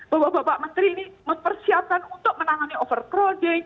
bahwa bapak menteri ini mempersiapkan untuk menangani overcrowding